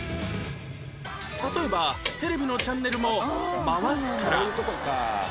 例えばテレビのチャンネルも回すから